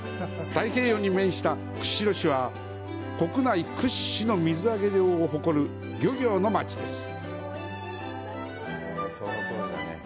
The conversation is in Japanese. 太平洋に面した釧路市は、国内屈指の水揚げ量を誇る漁業の町です。